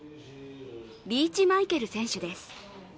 リーチマイケル選手です。